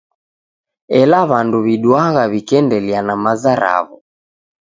Ela w'andu w'iduagha w'ikiendelia na maza raw'o.